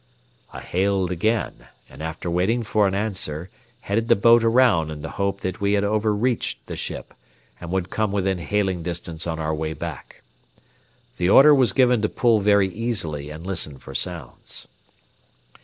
I hailed again, and after waiting for an answer, headed the boat around in the hope that we had overreached the ship, and would come within hailing distance on our way back. The order was given to pull very easily, and listen for sounds.